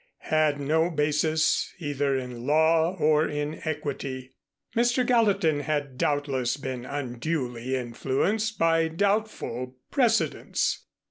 _ had no basis either in law or in equity. Mr. Gallatin had doubtless been unduly influenced by doubtful precedents.